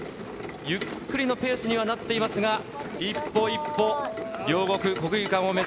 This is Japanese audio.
ゆっくりのペースにはなっていますが、一歩一歩、両国国技館を目